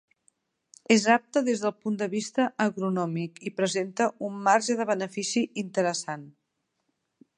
És apte des del punt de vista agronòmic i presenta un marge de benefici interessant.